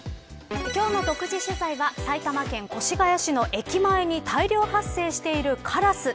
今日の独自取材は埼玉県越谷市の駅前に大量発生しているカラス。